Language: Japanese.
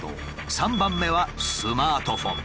３番目はスマートフォン。